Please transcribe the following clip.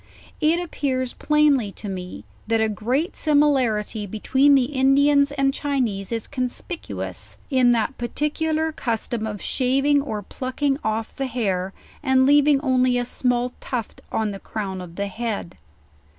It appears. LEWIS AND CLARKE. 173 plainly to me, that a great similarly between the Indians and Chinese is conspicuous, in that particlar custom of shaving or plucking off' the hair, and leaving only a smalktufi on the crown of the head.